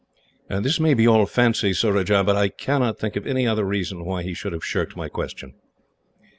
"This may be all fancy, Surajah, but I cannot think of any other reason why he should have shirked my question."